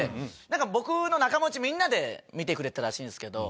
僕の仲間内みんなで見てくれてたらしいんですけど。